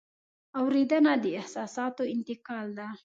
اورېدنه د احساساتو انتقال ده.